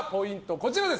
こちらです。